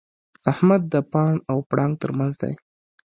احمد د پاڼ او پړانګ تر منځ دی.